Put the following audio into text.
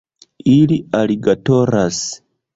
Ili aligatoras